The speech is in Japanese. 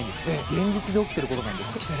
現実で起きていることなんです。